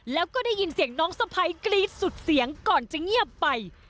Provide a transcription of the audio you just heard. แล้วก็ได้ยินเสียงน้องสะพัยกรี๊ดสุดเสียงก่อนจะเงียบไป